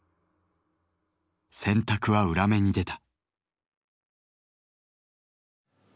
「選択」は裏目に出た。